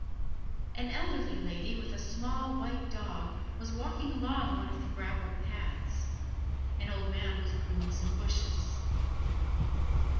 An elderly lady with a small white dog was walking along one of the graveled paths. An old man was pruning some bushes.